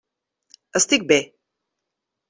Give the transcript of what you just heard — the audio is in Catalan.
Estic bé.